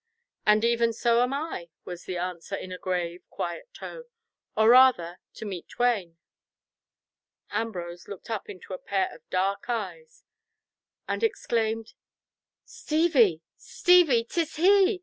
"And even so am I," was the answer, in a grave, quiet tone, "or rather to meet twain." Ambrose looked up into a pair of dark eyes, and exclaimed "Stevie, Stevie, 'tis he.